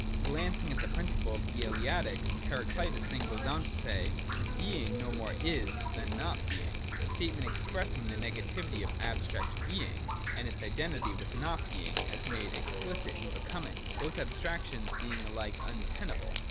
Glancing at the principle of the Eleatics, Heraclitus then goes on to say r Being no more is than not Being {ovS(v fiaWov t6 ov ToO 1U17 oiTof eVrl) : a statement expressing the negativity of abstract Being, and its identity with not Being, as made ex plicit in Becoming : both abstractions being ahke untenable.